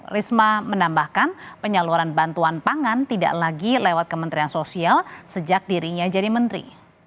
risma menambahkan penyaluran bantuan pangan tidak lagi lewat kementerian sosial sejak dirinya jadi menteri